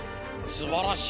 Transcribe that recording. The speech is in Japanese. すばらしい。